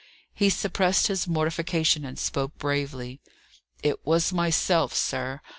He suppressed his mortification, and spoke bravely. "It was myself, sir.